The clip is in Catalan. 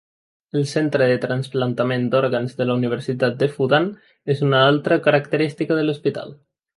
El Centre de Trasplantament d'Òrgans de la Universitat de Fudan és una altra característica de l'hospital.